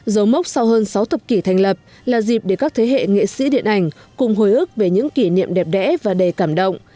dấu mốc sau hơn sáu thập kỷ thành lập là dịp để các thế hệ nghệ sĩ điện ảnh cùng hồi ức về những kỷ niệm đẹp đẽ và đầy cảm động